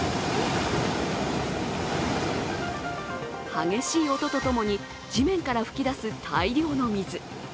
激しい音とともに地面から噴き出す大量の水。